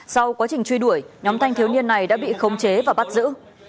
sau quá trình truy đuổi nhóm thanh thiếu niên này đã bị khống chế và bắt giữ